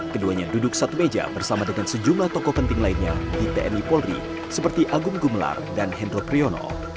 keduanya duduk satu meja bersama dengan sejumlah tokoh penting lainnya di tni polri seperti agung gumelar dan hendro priyono